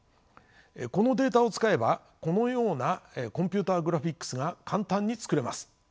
このデータを使えばこのようなコンピューターグラフィックスが簡単に作れます。